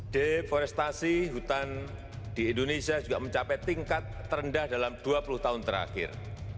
deforestasi hutan di indonesia juga mencapai tingkat terendah dalam dua puluh tahun terakhir